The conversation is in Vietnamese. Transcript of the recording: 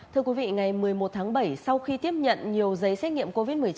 thưa quý vị ngày một mươi một tháng bảy sau khi tiếp nhận nhiều giấy xét nghiệm covid một mươi chín